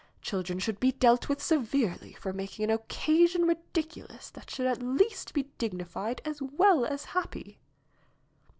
Children should be dealt with severely for making an occasion ridiculous that should at least be dignified as well as happy."